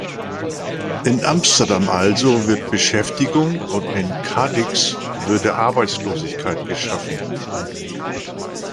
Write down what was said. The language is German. In Amsterdam also wird Beschäftigung und in Cadix würde Arbeitslosigkeit geschaffen.